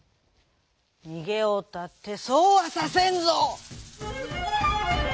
「にげようったってそうはさせんぞ」。